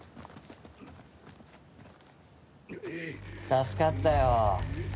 助かったよ。